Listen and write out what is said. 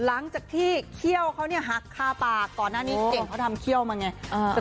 หลังจากที่เขี้ยวเขาเนี่ยหักคาปากก่อนหน้านี้เก่งเขาทำเขี้ยวมาไง